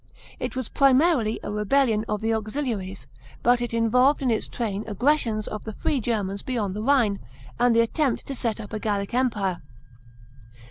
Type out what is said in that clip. It was primarily a rebellion of the auxiliaries, but it involved in its train aggressions of the free Germans beyond the Khine, and the attempt to set up a Gallic empire.